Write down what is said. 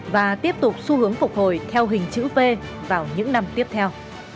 và tiếp tục xu hướng phục hồi theo hình chữ v vào những năm tiếp theo